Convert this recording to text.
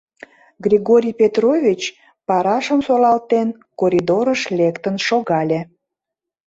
Григорий Петрович, парашым солалтен, коридорыш лектын шогале.